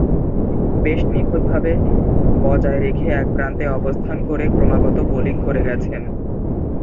বেশ নিখুঁতভাবে বজায় রেখে এক প্রান্তে অবস্থান করে ক্রমাগত বোলিং করে গেছেন।